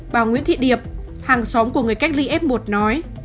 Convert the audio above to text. bà nguyễn thị điệp hàng xóm của người cách ly f một nói